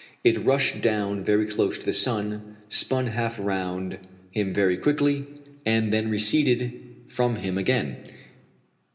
It rushed down very close to the sun, spun half round him very quickly, and then receded from him again.